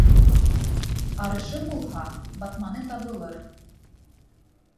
Арышы булһа, батманы табылыр.